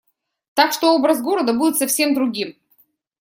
Так что образ города будет совсем другим.